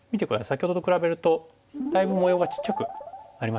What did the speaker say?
先ほどと比べるとだいぶ模様がちっちゃくなりましたよね。